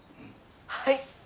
はい。